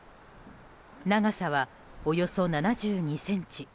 長さはおよそ７２ｃｍ。